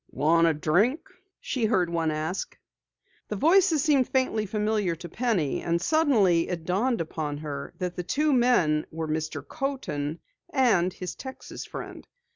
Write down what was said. "Want a drink?" she heard one ask. The voices seemed faintly familiar to Penny and suddenly it dawned upon her that the two men were Mr. Coaten and his Texas friend.